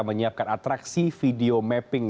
menyiapkan atraksi video mapping